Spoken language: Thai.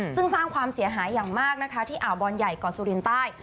ซึ่งสร้างความเสียหายอย่างมากที่อ่าวบอลใหญ่ก่อนสุเรียนใต้